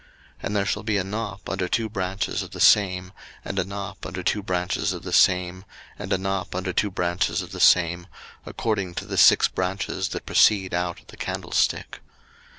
02:025:035 And there shall be a knop under two branches of the same, and a knop under two branches of the same, and a knop under two branches of the same, according to the six branches that proceed out of the candlestick.